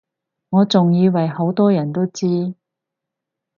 我仲以爲好多人都知